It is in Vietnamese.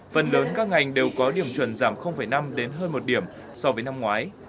phần lớn các ngành đều có điểm chuẩn giảm năm đến hơn một điểm so với năm ngoái